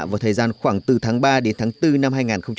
vào thời gian khoảng từ tháng ba đến tháng bốn năm hai nghìn một mươi sáu